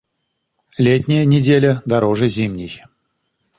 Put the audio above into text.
Летняя неделя дороже зимней.